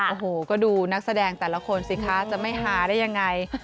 โอ้โหก็ดูนักแสดงแต่ละคนสิคะจะไม่ฮาได้ยังไง